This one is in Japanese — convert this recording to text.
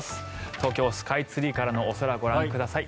東京スカイツリーからのお空ご覧ください。